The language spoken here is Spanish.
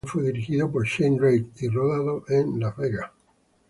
El video musical fue dirigido por Shane Drake y rodado en Las Vegas.